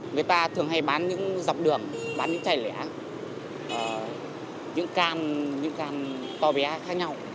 người ta thường hay bán những dọc đường bán những chai lẻ những can những can to bé khác nhau